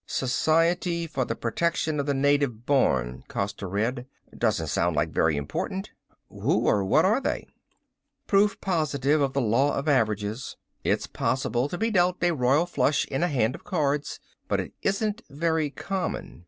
"Society for the Protection of the Native Born," Costa read. "Doesn't sound like very important. Who or what are they?" "Proof positive of the law of averages. It's possible to be dealt a royal flush in a hand of cards, but it isn't very common.